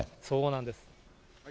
そうなんです。